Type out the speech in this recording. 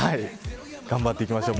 頑張っていきましょう。